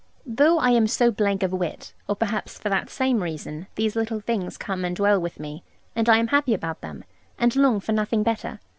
Though I am so blank of wit, or perhaps for that same reason, these little things come and dwell with me, and I am happy about them, and long for nothing better.